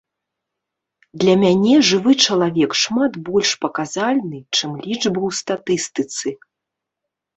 Для мяне жывы чалавек шмат больш паказальны, чым лічбы ў статыстыцы.